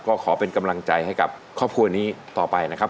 ก็ขอเป็นกำลังใจให้กับครอบครัวนี้ต่อไปนะครับ